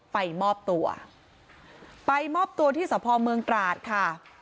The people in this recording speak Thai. ไปมอบตัวไปมอบตัวที่สาธารณ์พลเมืองกราศค่ะ